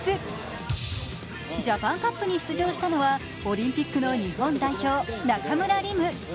ジャパンカップに出場したのは、オリンピック日本代表の中村輪夢選手。